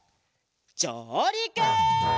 じょうりく！